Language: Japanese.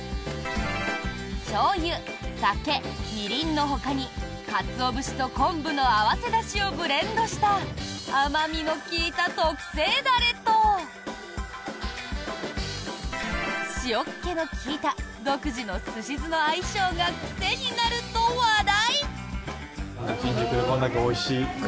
しょうゆ、酒、みりんのほかにカツオ節と昆布の合わせだしをブレンドした甘味の利いた特製ダレと塩気の利いた独自の寿司酢の相性が癖になると話題。